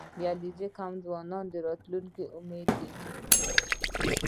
• د علیزي قوم ځوانان د راتلونکي امید دي.